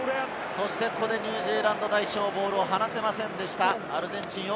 ニュージーランド代表、ボールを放せませんでした。